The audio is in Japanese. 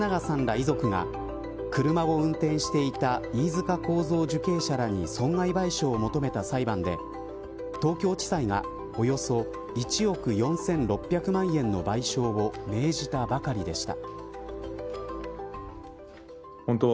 遺族が車を運転していた飯塚幸三受刑者らに損害賠償を求めた裁判で東京地裁がおよそ１億４６００万円の賠償を命じたばかりでした。